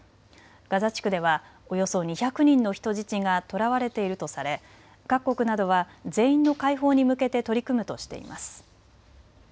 ガザ地区ではおよそ２００人の人質が捕らわれているとされ各国などは全員の解放に向けて取り組むとしています。